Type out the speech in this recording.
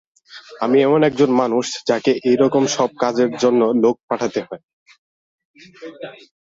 আমি এমন একজন মানুষ যাকে এইরকম সব কাজের জন্য লোক পাঠাতে হয়।